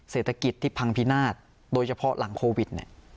เศรษฐกิจที่พังพินาศโดยเฉพาะหลังโควิดเนี่ย